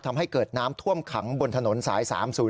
ทำให้เกิดน้ำท่วมขังบนถนนสาย๓๐๔